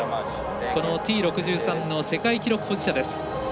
このＴ６３の世界記録保持者です。